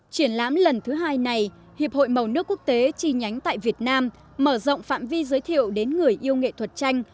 triển lãm lần thứ hai này hiệp hội màu nước quốc tế chi nhánh tại việt nam mở rộng phạm vi giới thiệu đến người yêu nghệ thuật tranh